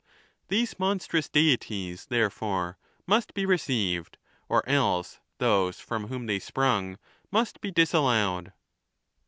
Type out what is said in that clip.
These monstrous Deities, therefore, must be received, or else those from whom they sprung must be disallowed.